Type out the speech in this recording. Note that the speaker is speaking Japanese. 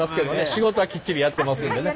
仕事はきっちりやってますんでね。